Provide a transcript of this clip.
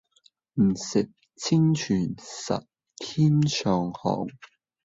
不是清泉是天上虹